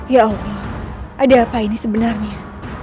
ya oke ada apa ini sebenarnya